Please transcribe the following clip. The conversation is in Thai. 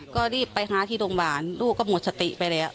ก็รีบไปหาที่โรงพยาบาลลูกก็หมดสติไปแล้ว